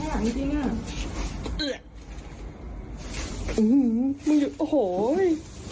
สังหลายจริงอ่ะ